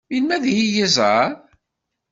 Melmi ad iyi-iẓeṛ?